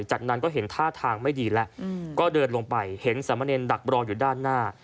จากนั้นก็เห็นท่าทางไม่ดีแล้วก็เดินลงไปเห็นสามเณรดักรออยู่ด้านหน้า